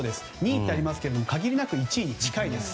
２位とありますが限りなく１位に近いです。